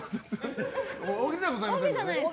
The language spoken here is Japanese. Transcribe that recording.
大喜利ではございませんので。